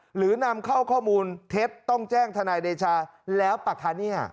หรือนำเข้าข้อมูลเท็จต้องแจ้งทนายเดชาแล้วปะคะเนี่ย